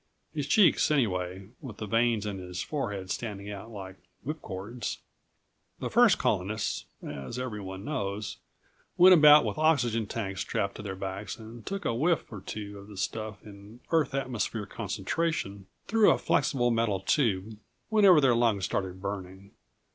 His cheeks, anyway, with the veins on his forehead standing out like whipcords. The first colonists, as everyone knows, went about with oxygen tanks strapped to their backs and took a whiff or two of the stuff in Earth atmosphere concentration through a flexible metal tube whenever their lungs started burning.